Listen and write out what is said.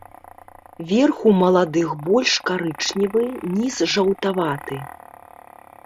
Верх у маладых больш карычневы, ніз жаўтаваты.